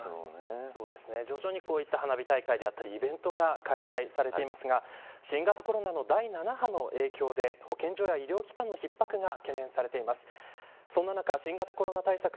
徐々にこういった花火大会やイベントが開催されていますが新型コロナの第７波の影響で保健所や医療機関の逼迫が懸念されています。